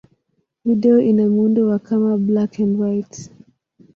Video ina muundo wa kama black-and-white.